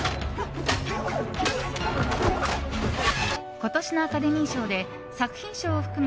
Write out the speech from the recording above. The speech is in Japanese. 今年のアカデミー賞で作品賞を含む